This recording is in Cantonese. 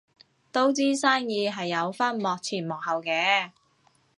都知生意係有分幕前幕後嘅